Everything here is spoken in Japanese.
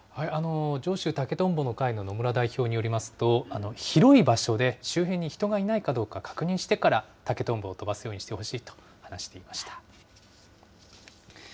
上州竹とんぼの会の野村代表によりますと、広い場所で、周辺に人がいないかどうか確認してから、竹とんぼを飛ばすようにしてほしいと話していました。